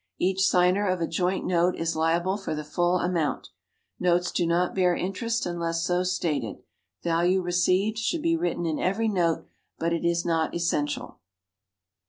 Each signer of a joint note is liable for the full amount. Notes do not bear interest unless so stated. "Value received" should be written in every note, but it is not essential.